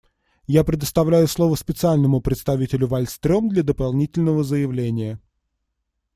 Я предоставляю слово Специальному представителю Вальстрём для дополнительного заявления.